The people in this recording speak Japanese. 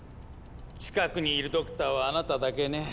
近くにいるドクターはあなただけね。